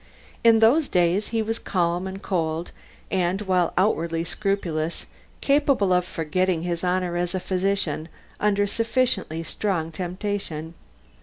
In those days he was calm and cold and, while outwardly scrupulous, capable of forgetting his honor as a physician under a sufficiently strong temptation.